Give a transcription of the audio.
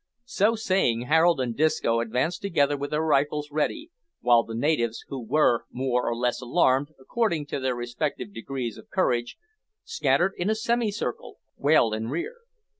So saying, Harold and Disco advanced together with their rifles ready, while the natives, who were more or less alarmed, according to their respective degrees of courage, scattered in a semicircle well in rear.